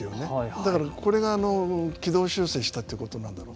だからこれが軌道修正したということなんだろう。